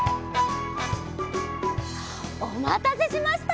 おまたせしました。